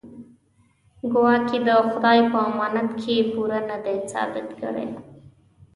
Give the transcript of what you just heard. ګواکې د خدای په امانت کې پوره نه دی ثابت کړی.